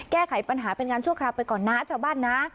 แก้ไขปัญหาเป็นการชั่วคราวไปก่อนนะชาวบ้านนะ